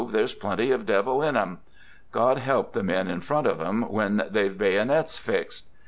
there's plenty of devil in 'em. God help the men in front of them when they've bayonets fixed